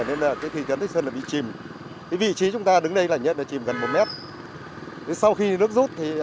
nên thị trấn thanh sơn bị chìm vị trí chúng ta đứng đây là chìm gần một mét